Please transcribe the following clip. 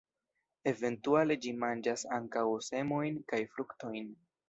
Eventuale ĝi manĝas ankaŭ semojn kaj fruktojn.